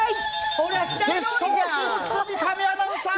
決勝進出は三上アナウンサー！